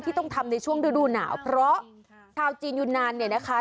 ต้องทำในช่วงฤดูหนาวเพราะชาวจีนยูนานเนี่ยนะคะ